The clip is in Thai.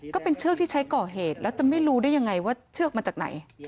ก็เป็นเชือกที่ใช้ก่อเหตุแล้วจะไม่รู้ได้ยังไงว่าเชือกมาจากไหน